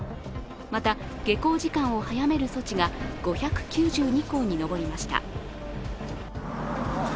また、下校時間を早める措置が５９２校に上りました。